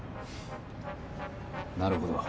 なるほど。